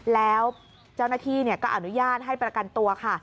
แล้วเจ้าหน้าที่ก็อนุญาตให้ประกันตัวค่ะ